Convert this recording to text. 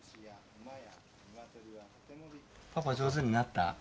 パパ、上手になった？